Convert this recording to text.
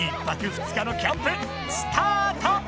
１泊２日のキャンプスタート！